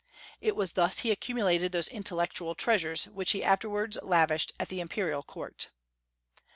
It was thus he accumulated those intellectual treasures which he afterwards lavished at the imperial court.